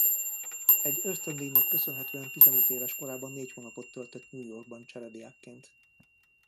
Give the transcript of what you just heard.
Egy ösztöndíjnak köszönhetően tizenöt éves korában négy hónapot töltött New Yorkban cserediákként.